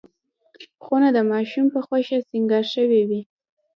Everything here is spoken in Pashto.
خونه د ماشوم په خوښه سینګار شوې وي.